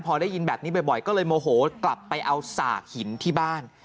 พอได้ยินแบบนี้บ่อยก็เลยโมโหกลับไปเอาสากหินที่บ้าน